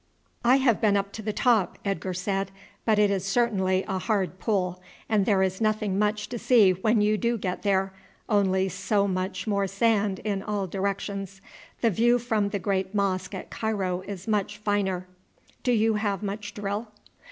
"I have been up to the top," Edgar said; "but it is certainly a hard pull, and there is nothing much to see when you do get there only so much more sand in all directions. The view from the great mosque at Cairo is much finer. Do you have much drill?"